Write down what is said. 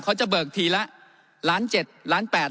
เขาจะเบิกทีละล้านเจ็ดล้านแปด